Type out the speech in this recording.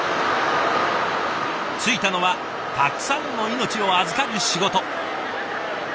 就いたのはたくさんの命を預かる仕事。